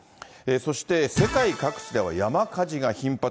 そして世界各地では山火事が頻発。